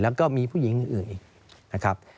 แล้วก็มีผู้หญิงอื่นอีกนะครับ